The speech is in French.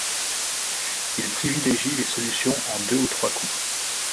Il privilégie les solutions en deux ou trois coups.